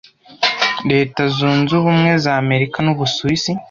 Leta Zunze Ubumwe za Amerika n’u Busuwisi,